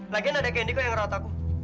lagian ada candy kok yang ngerawat aku